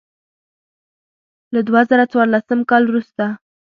له دوه زره څوارلسم کال وروسته.